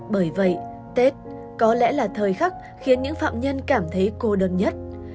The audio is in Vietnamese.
bởi vậy tết có lẽ là thời khắc khiến những phạm nhân cảm thấy cô đơn nhất